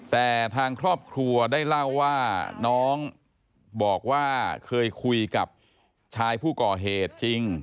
แต่ทางครอบครัวได้เล่าว่าน้องบอกว่าเคยคุยกับชายผู้ก่อเหตุจริง